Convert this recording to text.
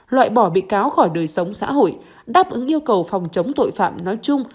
loại bỏ bị cáo khỏi đời sống xã hội đáp ứng yêu cầu phòng chống tội phạm nói chung